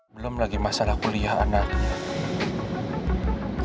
belum lagi masalah kuliah anaknya